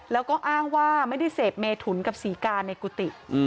แล้วก็อ้างว่าไม่ได้เสพเมถุนกับศรีกาในกุฏิ